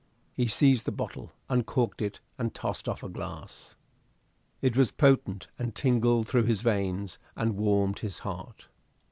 He seized the bottle, uncorked it, and tossed off a glass. It was potent and tingled through his veins and warmed his heart.